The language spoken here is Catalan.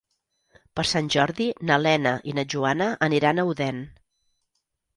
Per Sant Jordi na Lena i na Joana aniran a Odèn.